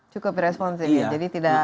cukup responsif jadi